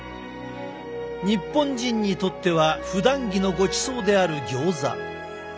日本人にとってはふだん着のごちそうであるギョーザ。